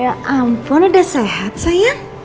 ya ampun udah sehat sayang